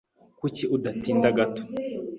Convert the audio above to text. Kuki utatinda gato?